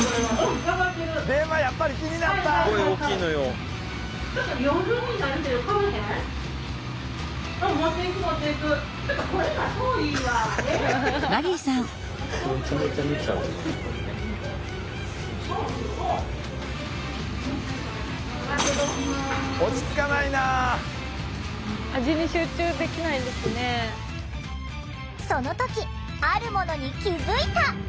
その時あるものに気付いた。